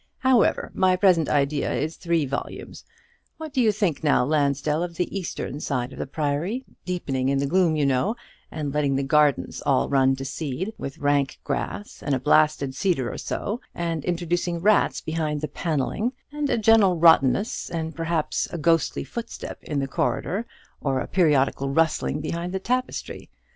However, my present idea is three volumes. What do you think now, Lansdell, of the eastern side of the Priory; deepening the gloom, you know, and letting the gardens all run to seed, with rank grass and a blasted cedar or so, and introducing rats behind the panelling, and a general rottenness, and perhaps a ghostly footstep in the corridor, or a periodical rustling behind the tapestry?